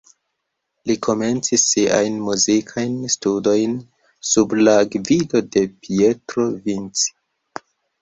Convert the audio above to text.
Li komencis siajn muzikajn studojn sub la gvido de Pietro Vinci.